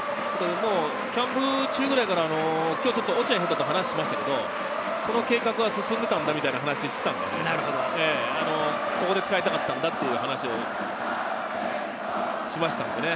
キャンプ中から落合さんと話をしましたけれど、この計画が進んでいたんだと話をしていたので、ここで使いたかったんだという話をしました。